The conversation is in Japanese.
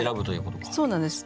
そうなんです。